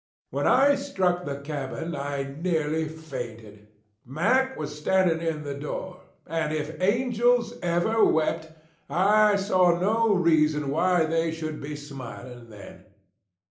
When I struck the cabin I nearly fainted. Mack was standing in the door; and if angels ever wept, I saw no reason why they should be smiling then.